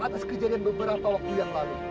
atas kejadian beberapa warga